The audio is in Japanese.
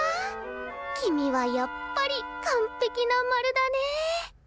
君はやっぱり完璧な丸だねえ。